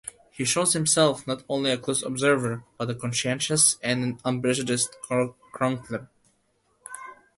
He shows himself not only a close observer, but a conscientious and unprejudiced chronicler.